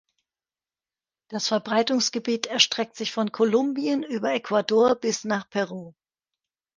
Das Verbreitungsgebiet erstreckt sich von Kolumbien über Ecuador bis nach Peru.